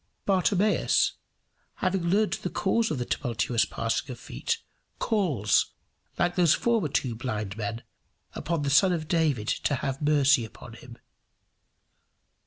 Bartimaeus, having learned the cause of the tumultuous passing of feet, calls, like those former two blind men, upon the Son of David to have mercy on him.